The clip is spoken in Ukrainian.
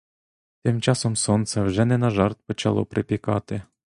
Тим часом сонце вже не на жарт почало припікати.